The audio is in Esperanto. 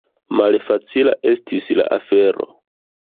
Malfacila estis la afero.